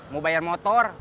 mau bayar motor